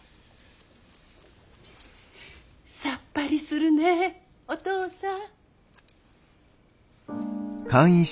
さっぱりするねえお父さん。